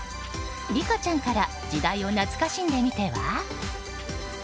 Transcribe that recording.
リカちゃんから時代を懐かしんでみては？